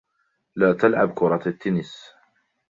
لا تلعب كرة التنس.